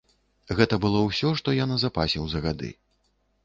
Гэта было ўсё, што я назапасіў за гады.